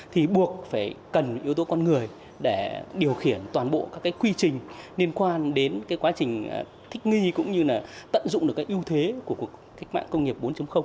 thì buộc phải cần yếu tố con người để điều khiển toàn bộ các quy trình liên quan đến quá trình thích nghi cũng như tận dụng được các ưu thế của cuộc cách mạng công nghiệp bốn